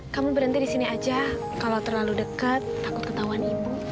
kamu berhenti di sini aja kalau terlalu dekat takut ketahuan ibu